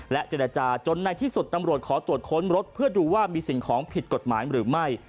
เจรจาจนในที่สุดตำรวจขอตรวจค้นรถเพื่อดูว่ามีสิ่งของผิดกฎหมายหรือไม่